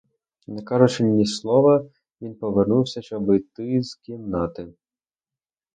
Не кажучи ні слова, він повернувся, щоб іти з кімнати.